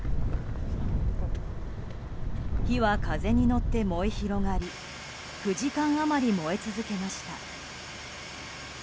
火は風に乗って燃え広がり９時間余り燃え続けました。